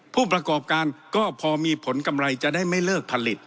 ผู้ประกอบการก็พอมีผลกำไรจะได้ไม่เลิกผลิต